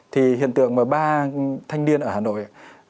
thì hiện tượng mà ba thanh niên ở hà nội